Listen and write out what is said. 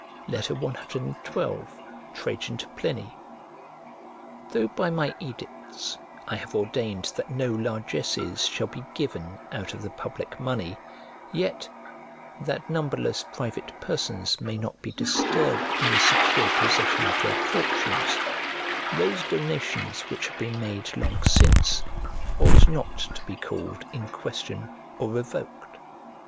CXII TRAJAN TO PLINY THOUGH by my edicts I have ordained that no largesses shall be given out of the public money, yet, that numberless private persons may not be disturbed in the secure possession of their fortunes, those donations which have been made long since ought not to be called in question or revoked.